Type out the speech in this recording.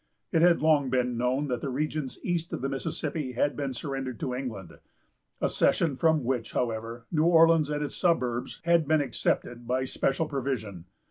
It had long been known that the regions east of the Mississippi had been surrendered to England; a cession from which, however, New Orleans and its suburbs had been excepted by a special provision.